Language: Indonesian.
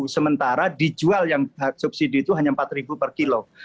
sementara dijual yang subsidi itu hanya rp empat per kilo